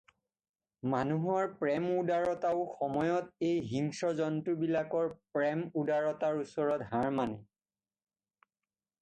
মানুহৰ প্ৰেম উদাৰতাও সময়ত এই হিংস্ৰজন্তু বিলাকৰ প্ৰেম উদাৰতাৰ ওচৰত হাৰ মানে।